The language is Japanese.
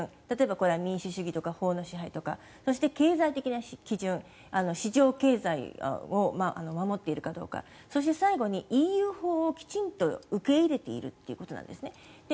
例えば、これは民主主義とか法の支配とかそして経済的な基準市場経済を守っているかどうかそして、最後にＥＵ法をきちんと受け入れているということなんです。